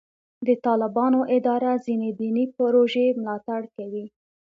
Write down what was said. د طالبانو اداره ځینې دیني پروژې ملاتړ کوي.